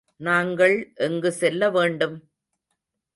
நாங்கள் எங்கு செல்ல வேண்டும்?